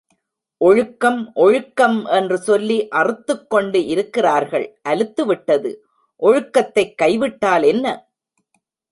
ஒழுக்கம் ஒழுக்கம் என்று சொல்லி அறுத்துக்கொண்டு இருக்கிறார்கள் அலுத்துவிட்டது ஒழுக்கத்தைக் கை விட்டால் என்ன?